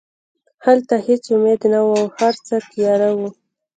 هلته هېڅ امید نه و او هرڅه تیاره وو